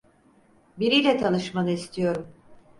Biriyle tanışmanı istiyorum.